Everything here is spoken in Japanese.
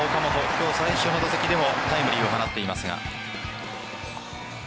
今日最初の打席でもタイムリーを放っています。